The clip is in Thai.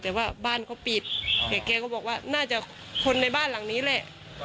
แต่ว่าบ้านเขาปิดแต่แกก็บอกว่าน่าจะคนในบ้านหลังนี้แหละ